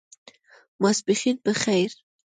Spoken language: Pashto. ماسپښېن په خیر !